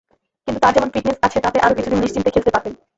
কিন্তু তাঁর যেমন ফিটনেস আছে তাতে আরও কিছুদিন নিশ্চিন্তে খেলতে পারতেন।